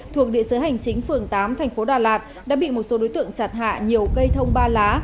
thuộc địa sứ hành chính phường tám tp đà lạt đã bị một số đối tượng chặt hạ nhiều cây thông ba lá